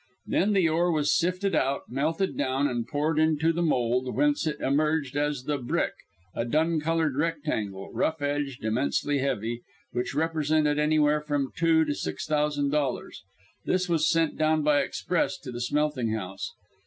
Then the ore was sifted out, melted down, and poured into the mould, whence it emerged as the "brick," a dun coloured rectangle, rough edged, immensely heavy, which represented anywhere from two to six thousand dollars. This was sent down by express to the smelting house.